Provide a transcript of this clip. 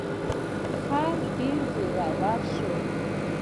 خر ډیر زوړ شوی و.